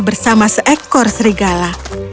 bersama seekor serigala